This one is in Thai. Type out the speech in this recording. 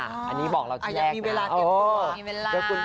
อันนี้บอกเราที่แรกนะอ๋อยังมีเวลาเตรียมตัว